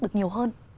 được nhiều hơn